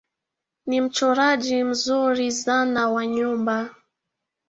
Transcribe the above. Ni mchoraji mzuri zana wa nyumba